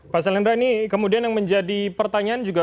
pak selendra ini kemudian yang menjadi pertanyaan juga